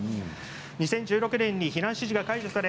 ２０１６年に避難指示が解除され